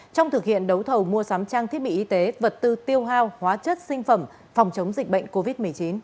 trong thực hiện đấu thầu mua sắm trang thiết bị y tế vật tư tiêu hao hóa chất sinh phẩm phòng chống dịch bệnh covid một mươi chín